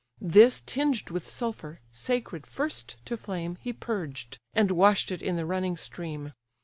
This tinged with sulphur, sacred first to flame, He purged; and wash'd it in the running stream.